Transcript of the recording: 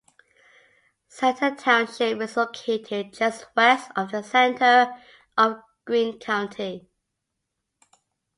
Center Township is located just west of the center of Greene County.